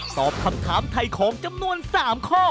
ตอบคำถามถ่ายของจำนวน๓ข้อ